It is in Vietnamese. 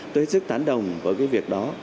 tôi rất tán đồng với cái việc đó